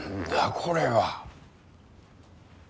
これは。